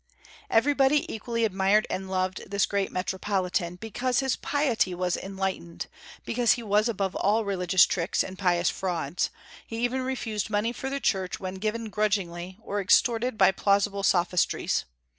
Everybody equally admired and loved this great metropolitan, because his piety was enlightened, because he was above all religious tricks and pious frauds. He even refused money for the Church when given grudgingly, or extorted by plausible sophistries.